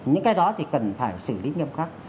những cái đó thì cần phải xử lý nghiêm khắc